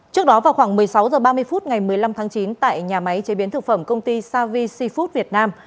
trước đó vào khoảng một mươi sáu h ba mươi phút ngày một mươi năm tháng chín tại nhà máy chế biến thực phẩm công ty savi food việt nam